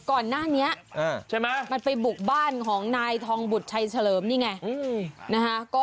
ก่อนหน้านี้ใช่ไหมมันไปบุกบ้านของนายทองบุตรชัยเฉลิมนี่ไงนะฮะ